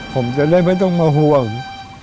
ผมจะได้ไม่ต้องมาห่วง